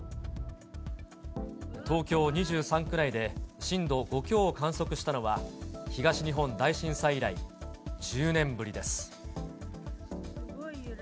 東京２３区内で震度５強を観測したのは、東日本大震災以来１０年ぶりです。